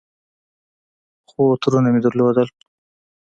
خو ترونه مې درلودل.